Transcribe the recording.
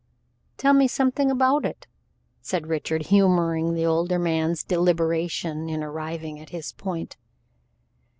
"Tell me something about it," said Richard, humoring the older man's deliberation in arriving at his point.